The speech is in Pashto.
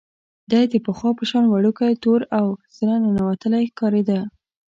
دی د پخوا په شان وړوکی، تور او سره ننوتلی ښکارېده.